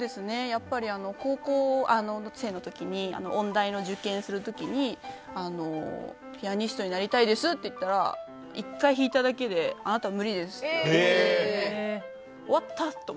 やっぱり高校生の時に音大を受験する時にピアニストになりたいですと言ったら、１回弾いただけであなたは無理ですって言われて。